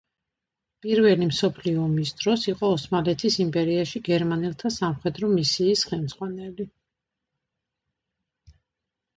პირველი მსოფლიო ომის დროს იყო ოსმალეთის იმპერიაში გერმანელთა სამხედრო მისიის ხელმძღვანელი.